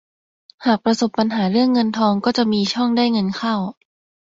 หากประสบปัญหาเรื่องเงินทองก็จะมีช่องได้เงินเข้า